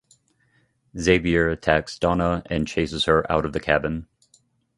Xavier attacks Donna and chases her out of the cabin.